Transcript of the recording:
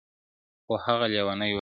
خو هغه ليونۍ وايي.